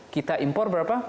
kita impor berapa